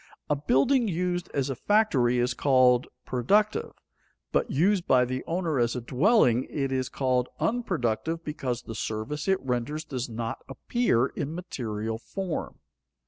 A building used as a factory is called productive, but used by the owner as a dwelling it is called unproductive because the service it renders does not appear in material form.